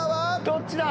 どっちだ？